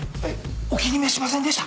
お気に召しませんでしたか？